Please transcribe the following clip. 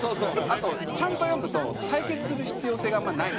あとちゃんと読むと対決する必要性があんまりない。